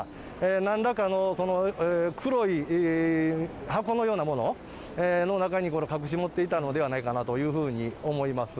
なんらかの、黒い箱のようなものの中に、これ、隠し持っていたのではないかなというふうに思います。